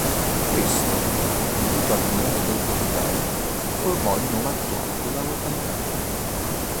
Questo, unito al nome del proprietario, formò il nome attuale della località.